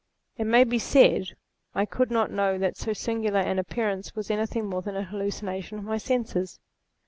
It may be said, I could not know that so singular an appearance was any thing more than a hallucination of my senses.